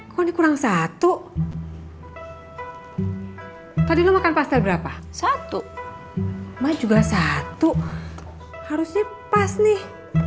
kau kurang satu tadi makan pastel berapa satu maju gasatu harusnya pas nih